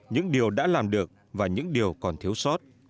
những điều đã làm được và những điều còn thiếu sót